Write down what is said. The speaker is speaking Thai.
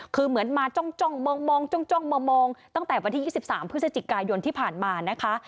คือเหมือนมาจ้องมองจ้องมองตั้งแต่วันที่๒๓พฤศจิกายนที่ผ่านมานะคะ